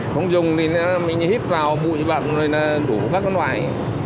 không dùng thì mình hiếp vào bụi bậc rồi là đủ các loại